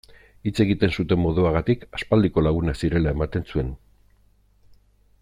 Hitz egiten zuten moduagatik aspaldiko lagunak zirela ematen zuen.